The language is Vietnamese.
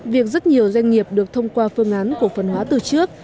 việc rất nhiều doanh nghiệp được thông qua phương án cổ phần hóa từ trước